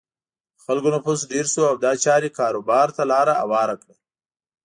د خلکو نفوس ډېر شو او دا چارې کاروبار ته لاره هواره کړه.